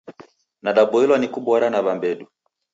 Nadaboilwa ni kubora na. w'ambedu